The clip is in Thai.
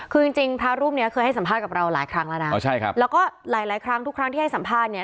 คือจริงจริงพระรูปเนี้ยเคยให้สัมภาษณ์กับเราหลายครั้งแล้วนะแล้วก็หลายหลายครั้งทุกครั้งที่ให้สัมภาษณ์เนี่ย